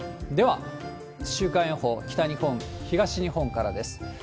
では週間予報、北日本、東日本からです。